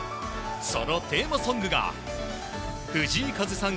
そのテーマソングが藤井風さん